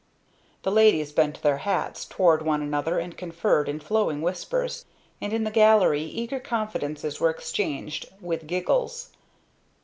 The ladies bent their hats toward one another and conferred in flowing whispers; and in the gallery eager confidences were exchanged, with giggles.